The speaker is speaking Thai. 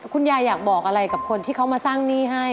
คุณยายอยากบอกอะไรกับคนที่เขามาสร้างหนี้ให้